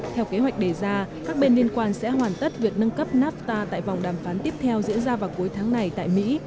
theo kế hoạch đề ra các bên liên quan sẽ hoàn tất việc nâng cấp nafta tại vòng đàm phán tiếp theo diễn ra vào cuối tháng này tại mỹ